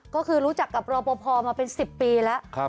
ก็คือรู้จักกับรอปภมาเป็น๑๐ปีแล้ว